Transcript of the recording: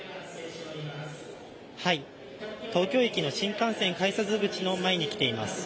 東京駅の新幹線改札口の前に来ています。